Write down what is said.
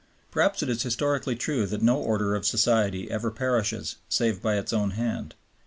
Perhaps it is historically true that no order of society ever perishes save by its own hand.